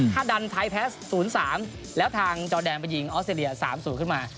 ถ้าดันไทยแพ้๐๓แล้วทางจอแดนไปยิงออสเตรเลีย๓๐ขึ้นมา